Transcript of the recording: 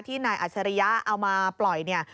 ที่นายอาจารย์เอามาปล่อย